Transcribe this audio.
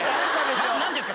何ですか？